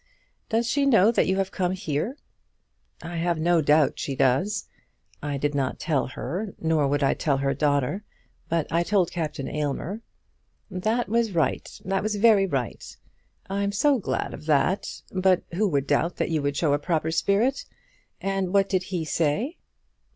Does she know that you have come here?" "I have no doubt she does. I did not tell her, nor would I tell her daughter; but I told Captain Aylmer." "That was right. That was very right. I'm so glad of that. But who would doubt that you would show a proper spirit? And what did he say?"